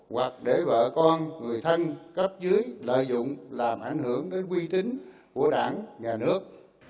hoặc để vợ con người thân cấp dưới lợi dụng làm ảnh hưởng đến quy tính của đảng nhà nước